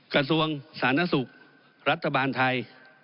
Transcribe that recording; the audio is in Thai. กระทรวงศาลนสุขรัฐบาลไทย